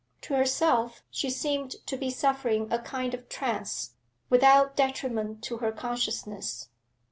To herself she seemed to be suffering a kind of trance, without detriment to her consciousness.